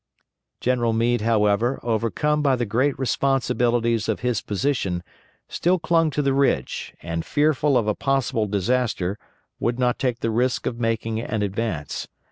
General Meade, however, overcome by the great responsibilities of his position, still clung to the ridge, and fearful of a possible disaster would not take the risk of making an advance.